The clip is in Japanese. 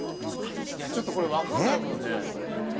いやちょっとこれ分かんないもんね。ね？